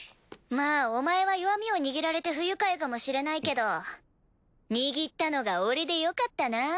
まあお前は弱みを握られて不愉快かもしれないけど握ったのが俺でよかったな。